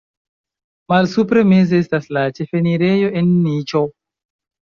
Malsupre meze estas la ĉefenirejo en niĉo.